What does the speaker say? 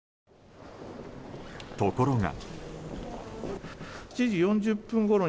ところが。